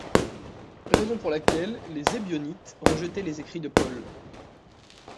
Raison pour laquelle les ébionites rejetaient les écrits de Paul.